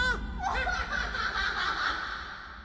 ハハハハ。